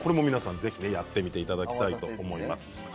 ぜひやってみていただきたいと思います。